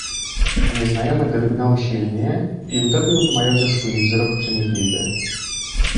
"Nieznajomy drgnął silnie i utopił w majorze swój wzrok przenikliwy."